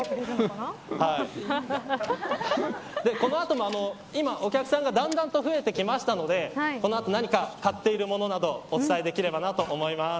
この後も今、お客さんがだんだんと増えてきましたのでこのあと何か買っているものなどお伝えできればと思います。